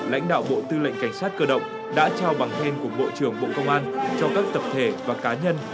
lãnh đạo bộ tư lệnh cảnh sát cơ động đã trao bằng khen của bộ trưởng bộ công an cho các tập thể và cá nhân